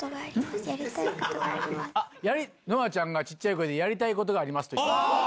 乃愛ちゃんが小っちゃい声で「やりたいことがあります」って。